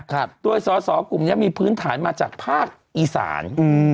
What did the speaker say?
ตัวสอสอกลุ่มนี้มีพื้นฐานมาจากภาคอีสาน